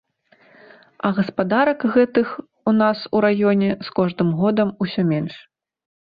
А гаспадарак гэтых у нас у раёне з кожным годам усё менш.